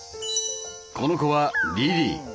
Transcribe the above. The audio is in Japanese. この子はリリー。